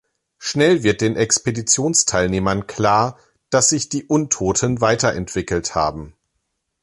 Schnell wird den Expeditionsteilnehmern klar, dass sich die Untoten weiterentwickelt haben.